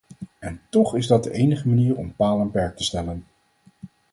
En toch is dat de enige manier om paal en perk te stellen.